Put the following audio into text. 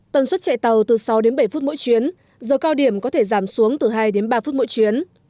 tần suất chạy tàu từ sáu đến bảy phút mỗi chuyến giờ cao điểm có thể giảm xuống từ hai đến ba phút mỗi chuyến